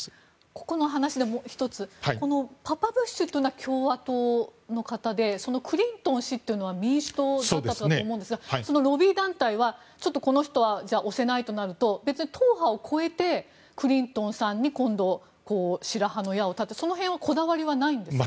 ここの話でもう１つパパブッシュというのは共和党の方でそのクリントン氏は民主党だったと思うんですがロビー団体は、ちょっとこの人は推せないとなると別に党派を超えてクリントンさんに今度は白羽の矢を立てる、その辺はこだわりはないんですか。